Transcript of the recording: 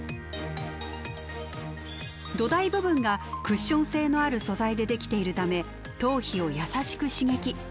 土台部分がクッション性のある素材で出来ているため頭皮を優しく刺激。